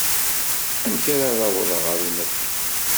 Amek ara awḍeɣ ɣer unafag?